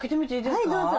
はいどうぞ。